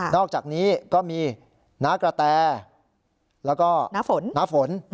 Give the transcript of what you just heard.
นอกจากนี้ก็มีนะกระแตร์แล้วก็นะฝน